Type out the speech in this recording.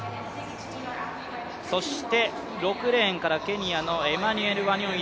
そして６レーンからケニアのエマニュエル・ワニョンイ。